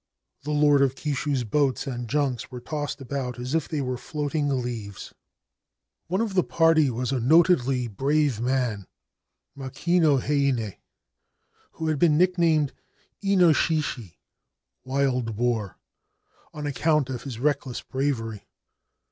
The Lord of Kishu's boats and junks were tossed about as if they were floating leaves. One of the party was a notedly brave man, Makino Heinei, who had been nicknamed ' Ino shishi ' (Wild Boar) on account of his reckless bravery.